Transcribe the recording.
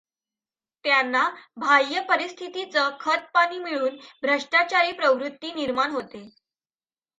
त्यांना बाह्य परिस्थितीचं खतपाणी मिळून भ्रष्टाचारी प्रवृत्ती निर्माण होते.